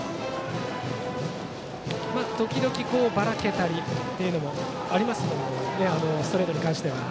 時々ばらけたりというのもありますけどストレートに関しては。